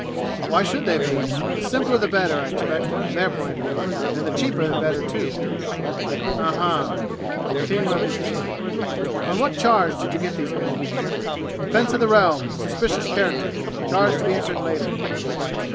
"Why should they be? The simpler the better, I expect, from their point of view; and the cheaper the better, too!" "Um m m!" King rubbed his chin. "On what charge did you get these men?" "Defense of the Realm suspicious characters charge to be entered later."